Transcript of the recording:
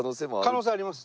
可能性あります。